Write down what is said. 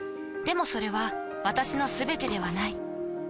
でもそれは私のすべてではない。